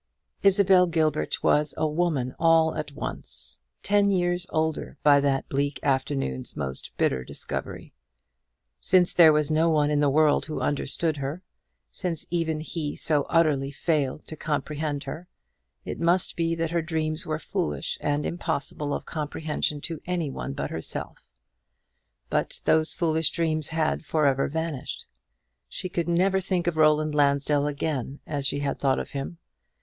Isabel Gilbert was a woman all at once; ten years older by that bleak afternoon's most bitter discovery. Since there was no one in the world who understood her, since even he so utterly failed to comprehend her, it must be that her dreams were foolish and impossible of comprehension to any one but herself. But those foolish dreams had for ever vanished. She could never think of Roland Lansdell again as she had thought of him.